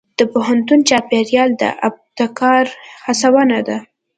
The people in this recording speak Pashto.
د پوهنتون چاپېریال د ابتکار هڅونه کوي.